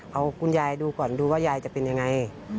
เอาคุณยายดูก่อนดูว่ายายจะเป็นยังไง